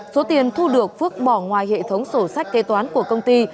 số tiền thu được phước bỏ ngoài hệ thống sổ sách kế toán của công ty